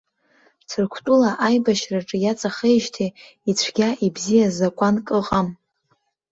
Ҭырқәтәыла аибашьраҿы иаҵахеижьҭеи, ицәгьа-ибзиа закәанк ыҟам.